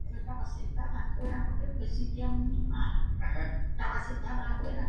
Cada país está con el equivalente de alerta naranja.